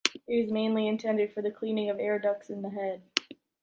It is mainly intended for the cleaning of the air ducts in the head.